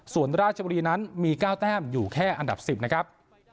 ส่วนราชบุรีนั้นมี๙แต้มอยู่แค่อันดับ๑๐นะครับ